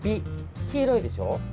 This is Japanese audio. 黄色いでしょ？